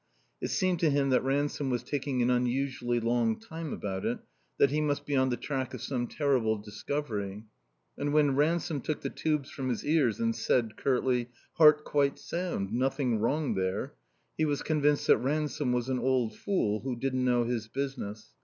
It seemed to him that Ransome was taking an unusually long time about it, that he must be on the track of some terrible discovery. And when Ransome took the tubes from his ears and said, curtly, "Heart quite sound; nothing wrong there," he was convinced that Ransome was an old fool who didn't know his business.